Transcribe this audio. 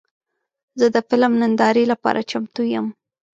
زه د فلم نندارې لپاره چمتو یم.